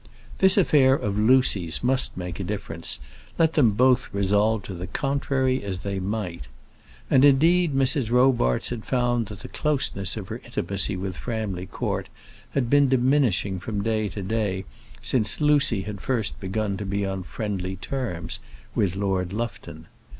This affair of Lucy's must make a difference, let them both resolve to the contrary as they might. And, indeed, Mrs. Robarts had found that the closeness of her intimacy with Framley Court had been diminishing from day to day since Lucy had first begun to be on friendly terms with Lord Lufton.